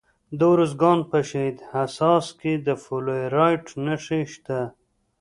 د ارزګان په شهید حساس کې د فلورایټ نښې شته.